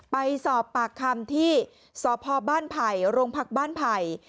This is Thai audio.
ไปสอบปากคำที่สพบ้านไผ่โรงพักบ้านไผ่